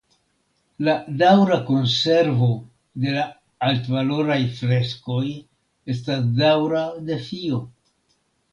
La daŭra konservo de la altvaloraj freskoj estas daŭra defio.